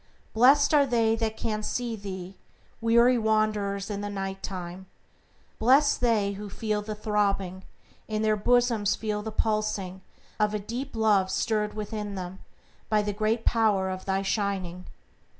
Blessed are they that can see thee, Weary wanderers in the Night time; Blessed they who feel the throbbing, In their bosoms feel the pulsing Of a deep Love stirred within them By the great power of thy shining.